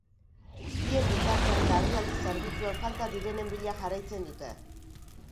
Bien bitartean, larrialdi zerbitzuek falta direnen bila jarraitzen dute.